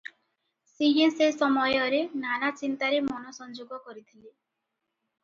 ସିଂହେ ସେ ସମୟରେ ନାନା ଚିନ୍ତାରେ ମନ ସଂଯୋଗ କରିଥିଲେ ।